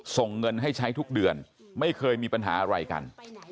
ส่งเงินให้ใช้ทุกเดือนไม่เคยมีปัญหาอะไรกัน